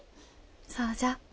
そうじゃ。